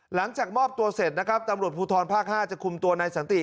หลังจากมอบตัวเสร็จนะครับตำรวจภูทรภาค๕จะคุมตัวนายสันติ